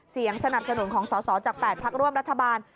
เสียงสนับสนุนของสอสอจาก๘พักร่วมรัฐบาล